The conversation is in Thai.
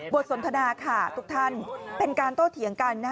สนทนาค่ะทุกท่านเป็นการโต้เถียงกัน